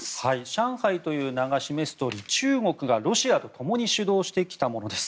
上海という名が示すとおり中国がロシアと共に主導してきたものです。